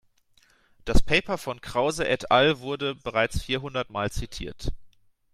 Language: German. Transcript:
Das Paper von Krause et al. wurde bereits vierhundertmal zitiert.